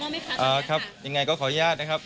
ไม่มีครับไม่มีน้อยใจครับมีน้อยใจครับ